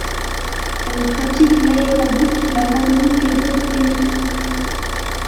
Elle pratique l'aérobic, la randonnée pédestre et le surf.